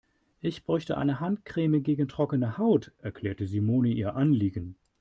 Ich bräuchte eine Handcreme gegen trockene Haut, erklärte Simone ihr Anliegen.